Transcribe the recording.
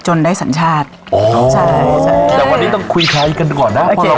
จนได้สัญชาติอ๋อใช่ใช่แต่วันนี้ต้องคุยคลายกันก่อนนะโอเค